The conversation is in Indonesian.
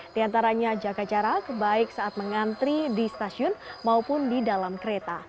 di antaranya jaga jarak baik saat mengantri di stasiun maupun di dalam kereta